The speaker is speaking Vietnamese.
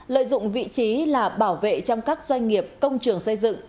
lợi dụng vị trí là bảo vệ trong các doanh nghiệp công trường xây dựng